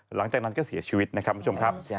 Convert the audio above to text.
หลังจากนั้นก็เสียชีวิตนะครับคุณผู้ชมครับ